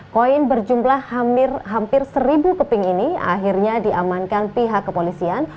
koin berjumlah hampir seribu keping ini akhirnya diamankan pihak kepolisian